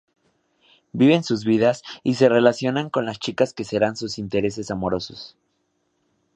Viven sus vidas y se relacionan con las chicas que serán sus intereses amorosos.